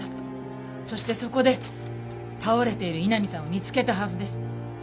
そしてそこで倒れている井波さんを見つけたはずです。